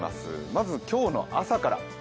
まず今日の朝から。